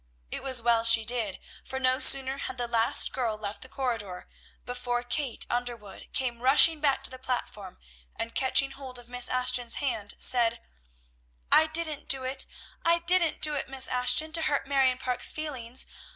It was well she did; for no sooner had the last girl left the corridor, before Kate Underwood came rushing back to the platform, and catching hold of Miss Ashton's hand said, "I didn't do it, I didn't do it, Miss Ashton, to hurt Marion Parke's feelings!